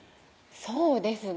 そうですね